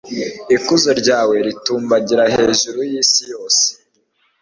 ikuzo ryawe ritumbagire hejuru y'isi yose